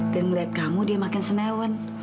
dan melihat kamu dia makin senewan